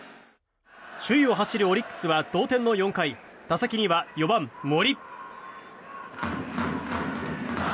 首位を走るオリックスは同点の４回打席には４番、森。